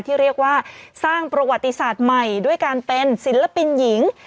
ที่เรียกว่าสร้างประวัติศาสตร์ใหม่ด้วยการเป็นศิลปินหญิง